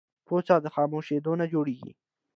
پوڅه د خامو شیدونه جوړیږی.